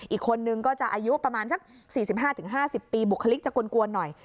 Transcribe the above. อีกคนนึงก็จะอายุประมาณสักสี่สิบห้าถึงห้าสิบปีบุคลิกจะกวนกวนหน่อย